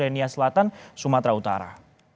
dari nia selatan sumatera utara